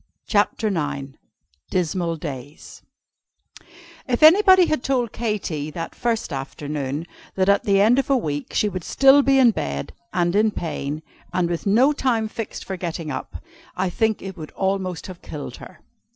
CHAPTER IX DISMAL DAYS If anybody had told Katy, that first afternoon, that at the end of a week she would still be in bed, and in pain, and with no time fixed for getting up, I think it would have almost killed her.